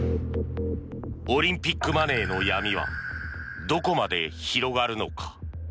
オリンピックマネーの闇はどこまで広がるのか。